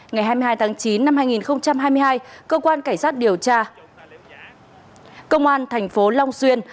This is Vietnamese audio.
ngày hai mươi hai tháng chín năm hai nghìn hai mươi hai cơ quan cảnh sát điều tra công an thành phố long xuyên